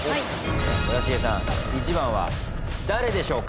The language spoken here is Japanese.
村重さん１番は誰でしょうか？